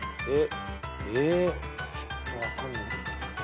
えちょっと分かんない。